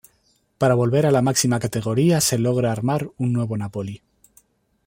Para volver a la máxima categoría, se logra armar un nuevo Napoli.